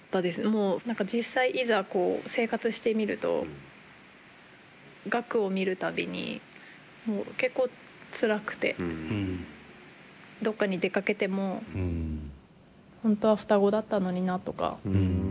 もう実際いざ生活してみるとガクを見る度にもう結構つらくてどっかに出かけても本当は双子だったのになとか。